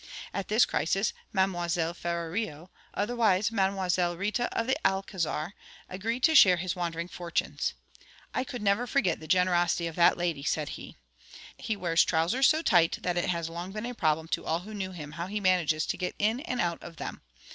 At this crisis Mademoiselle Ferrario, otherwise Mademoiselle Rita of the Alcazar, agreed to share his wandering fortunes. 'I could never forget the generosity of that lady,' said he. He wears trousers so tight that it has long been a problem to all who knew him how he manages to get in and out of them.